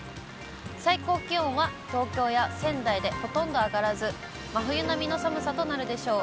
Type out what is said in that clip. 最高気温は東京や仙台でほとんど上がらず、真冬並みの寒さとなるでしょう。